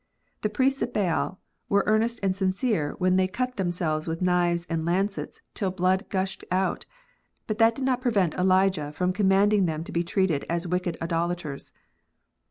The priests of Baal were earnest and sincere when they cut themselves with knives and lancets till the blood gushed out ; but that did not prevent Elijah from commanding them to be treated as wicked idolaters.